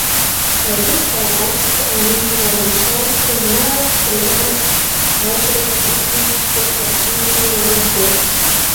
Хьэзыр хъуа пӏастэр ӏэнэм трагъэщатэри я ӏэр псы щӏыӏэм хащӏэурэ ӏуву, зэпэплӏимэу яубэ.